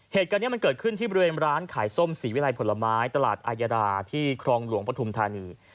เหตุการณ์นี้มันเกิดขึ้นที่บริเวณร้านขายส้มศรีวิรัยผลไม้ตลาดอายดาที่ครองหลวงปฐุมธานี